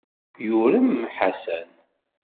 Yurem Ḥasan.